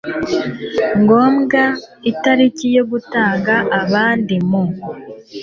ngombwa itariki yo gutanga abandi mu